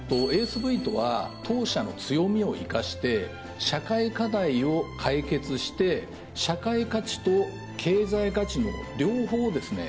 ＡＳＶとは当社の強みを生かして社会課題を解決して社会価値と経済価値の両方をですね